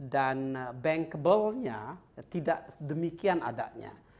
dan bankable nya tidak demikian adanya